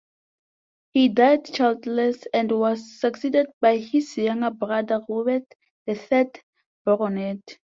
He died childless and was succeeded by his younger brother, Robert, the third Baronet.